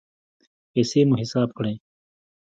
پیسې مو حساب کړئ